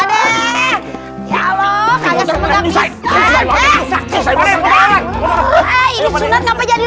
bikin capek orang